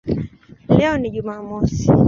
Leo ni Jumamosi".